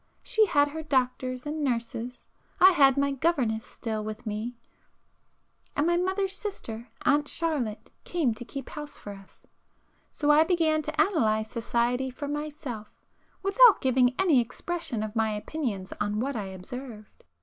She had her doctors and nurses,—I had my governess still with me; and my mother's sister, Aunt Charlotte, came to keep house for us,—so I began to analyse society for myself, without giving any expression of my opinions on what I observed.